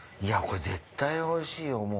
これ絶対おいしいよ